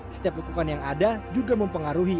setiap lukukan yang ada juga mempengaruhi